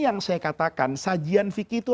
yang saya katakan sajian fikih itu